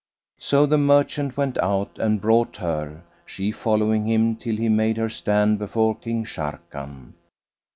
So the merchant went out and brought her, she following him till he made her stand before King Sharrkan.